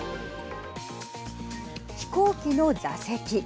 飛行機の座席。